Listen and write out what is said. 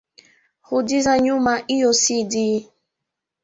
Rudiza nyuma iyo cd.